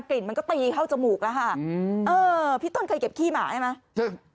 ลิ่นมันก็ตีเข้าจมูกแล้วค่ะอืมเออพี่ต้นเคยเก็บขี้หมาใช่ไหม